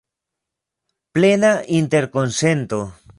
Plena interkonsento.